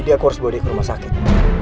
jadi aku harus bawa dia ke rumah sakit